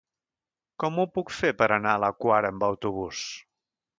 Com ho puc fer per anar a la Quar amb autobús?